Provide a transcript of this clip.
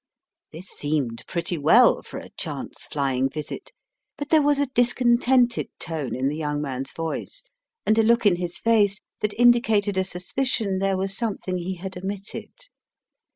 '' This seemed pretty well for a chance flying visit ; but there was a discontented tone in the young man's voice and a look in his face that indicated a suspicion there was some thing he had omitted.